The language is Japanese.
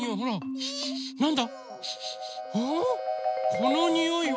このにおいは。